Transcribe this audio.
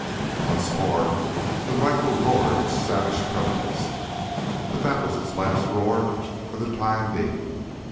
Once more the rifle roared its savage protest. But that was its last roar for the time being.